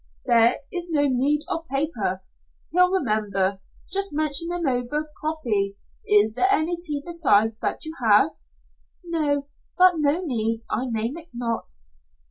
"There is no need of paper; he'll remember. Just mention them over. Coffee, is there any tea beside that you have?" "No, but no need. I name it not."